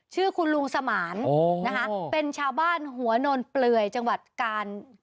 ชื่อคุณลุงสมานนะคะเป็นชาวบ้านหัวโนนเปลือยจังหวัดกาล